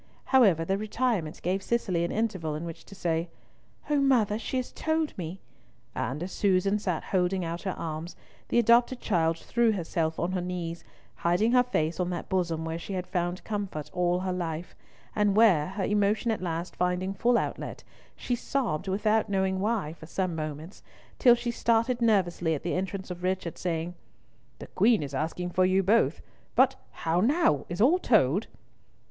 However the retirement gave Cicely an interval in which to say, "O mother, she has told me," and as Susan sat holding out her arms, the adopted child threw herself on her knees, hiding her face on that bosom where she had found comfort all her life, and where, her emotion at last finding full outlet, she sobbed without knowing why for some moments, till she started nervously at the entrance of Richard, saying, "The Queen is asking for you both. But how now? Is all told?"